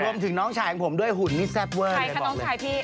รวมถึงน้องชายของผมด้วยหุ่นนิทแซปเวิร์ดเลย